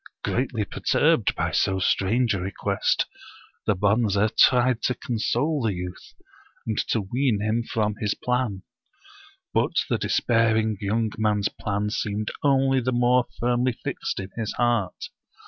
'* Greatly perturbed by so strange a request, the Bonze tried to console the youth, and to ween him from his plan. But the despairing young man's plan seemed only the more firmly fixed in his heart.